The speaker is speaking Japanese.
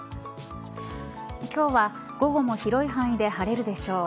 今日は、午後も広い範囲で晴れるでしょう。